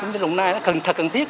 đồng nai là thật cần thiết